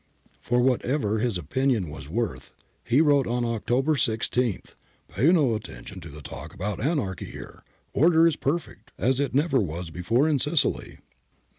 For whatever his opinion was worth, he wrote on October 16 :' Pay no attention to the talk about anarchy here Order is perfect, as it never was before in Sicily.'